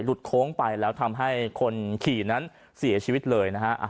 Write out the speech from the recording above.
โค้งไปแล้วทำให้คนขี่นั้นเสียชีวิตเลยนะฮะ